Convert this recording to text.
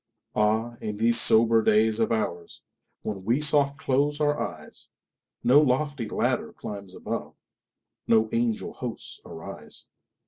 Ah, in these sober days of oursWhen we soft close our eyes, No lofty ladder climbs above, No angel hosts arise.